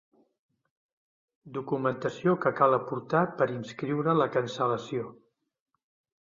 Documentació que cal aportar per inscriure la cancel·lació.